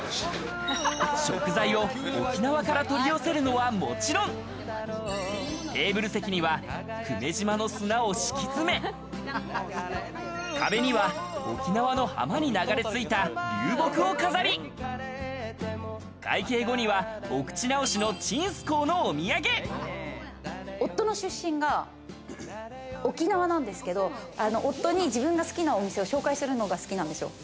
食材を沖縄から取り寄せるのはもちろん、テーブル席には久米島の砂を敷き詰め、壁には沖縄の浜に流れ着いた流木を飾り、会計後には夫の出身が沖縄なんですけど、夫に自分が好きなお店を紹介するのが好きなんですよ。